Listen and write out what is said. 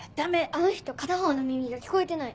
あの人片方の耳が聞こえてない。